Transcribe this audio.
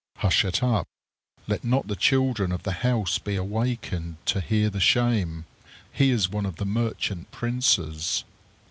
Hush it up! Let not the children of the house be awakened to hear the shame. He is one of the merchant princes.